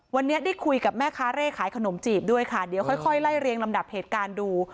วันนี้ได้คุยกับแม่ค้าเร่ขายขนมจีบด้วยค่ะเดี๋ยวค่อยไล่เรียงลำดับเหตุการณ์ดู